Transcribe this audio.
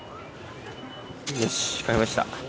よし買いました。